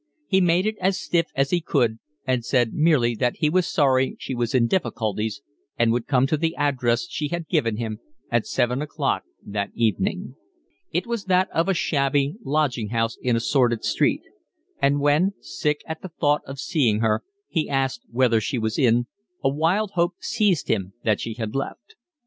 He made it as stiff as he could and said merely that he was sorry she was in difficulties and would come to the address she had given at seven o'clock that evening. It was that of a shabby lodging house in a sordid street; and when, sick at the thought of seeing her, he asked whether she was in, a wild hope seized him that she had left.